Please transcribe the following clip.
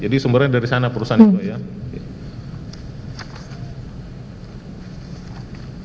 jadi sumbernya dari sana perusahaan itu ya